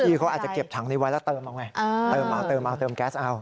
เขาอาจจะเก็บถังนี้ไว้แล้วเติมเอาไงเติมเอาเติมเอาเติมแก๊สเอา